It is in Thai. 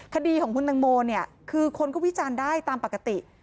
คดีของคุณตังโมเนี่ยคือคนก็วิจารณ์ได้ตามปกติ